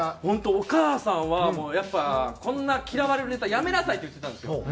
本当お母さんはやっぱ「こんな嫌われるネタやめなさい」って言ってたんですよ。